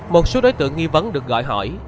một số đối tượng nghi vấn được gọi hỏi